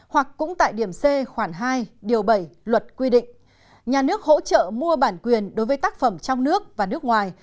hoặc cũng tại điểm c khoảng hai điều bảy luật quy định nhà nước hỗ trợ mua bản quyền đối với tác phẩm trong nước và nước ngoài